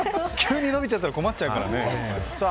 延びちゃったら困っちゃうからね。